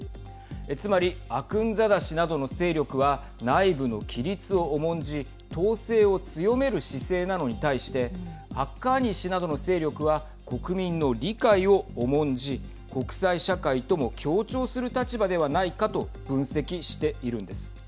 つまりアクンザダ師などの勢力は内部の規律を重んじ統制を強める姿勢なのに対してハッカーニ氏などの勢力は国民の理解を重んじ国際社会とも協調する立場ではないかと分析しているんです。